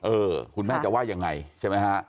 คุณแม่จะว่ายังไงใช่ไหมฮะ